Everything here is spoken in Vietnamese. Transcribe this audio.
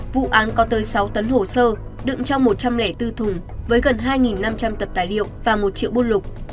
vụ án có tới sáu tấn hồ sơ đựng trong một trăm linh bốn thùng với gần hai năm trăm linh tập tài liệu và một triệu bôn lục